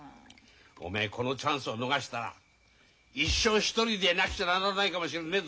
おめえこのチャンスを逃したら一生独りでいなくちゃならないかもしれねえぞ。